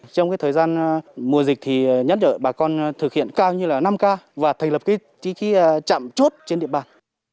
trong thời gian mùa dịch thì nhấn đợi bà con thực hiện cao như là năm k và thành lập cái chạm chốt trên địa bàn